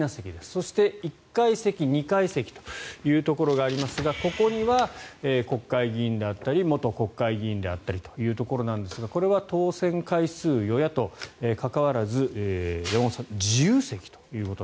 そして１階席、２階席というところがありますがここには国会議員だったり元国会議員であったりというところですがこれは当選回数、与野党関わらず山本さん、自由席だったと。